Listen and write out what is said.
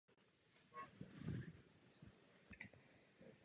Touto místností se procházelo k těžní kleci.